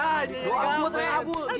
amin di kb kita